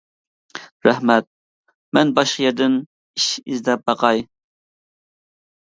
— رەھمەت، مەن باشقا يەردىن ئىش ئىزدەپ باقاي.